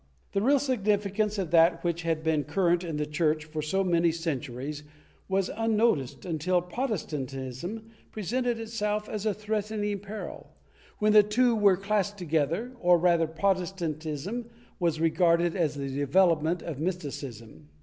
The real significance of that which had been current in the Church for so many centuries was unnoticed until Protestantism presented itself as a threatening peril, when the two were classed together, or rather Protestantism was regarded as the development of mys ticism.